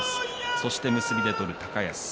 そして結びで取る高安。